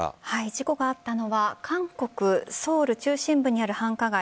事故があったのは韓国・ソウル中心部にある繁華街